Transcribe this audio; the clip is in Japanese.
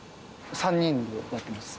３人でやってます。